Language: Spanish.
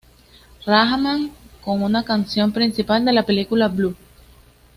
Rahman, con una canción principal de la película "Blue".